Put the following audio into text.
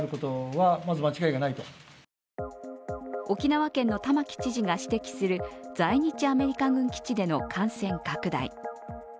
沖縄県の玉城知事が指摘する在日アメリカ軍基地での感染拡大。